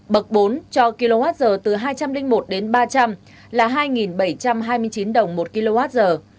bậc bốn cho kwh từ hai trăm linh một đến ba trăm linh là hai bảy trăm hai mươi chín đồng một kwh